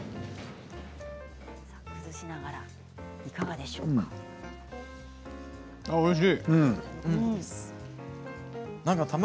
いかがでしょうか。